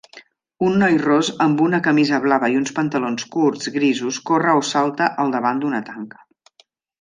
un noi ros amb una camisa blava i uns pantalons curts grisos corre o salta al davant d'una tanca